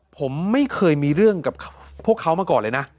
ผมไม่เคยมีเรื่องกับพวกเขามาก่อนเลยนะ